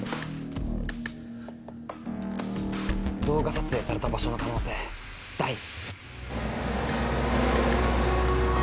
「動画撮影された場所の可能性大」。